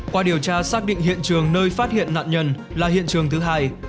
qua điều tra xác định hiện trường nơi phát hiện nạn nhân là hiện trường thứ hai